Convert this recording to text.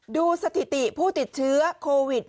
สถิติผู้ติดเชื้อโควิด